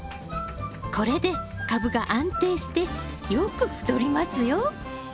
これで株が安定してよく太りますよ。